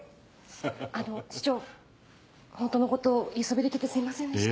あの市長ホントのこと言いそびれててすいませんでした。